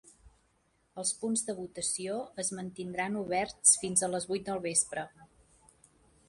El punts de votació es mantindran oberts fins a les vuit del vespre.